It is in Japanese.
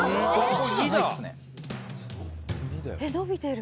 伸びてる！